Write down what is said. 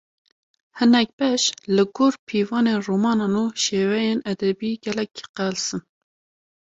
Hinek beş, li gor pîvanên romanan û şêweyên edebî gelek qels in